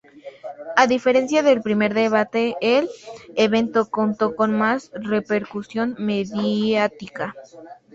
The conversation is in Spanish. A diferencia del primer debate, el evento contó con más repercusión mediática.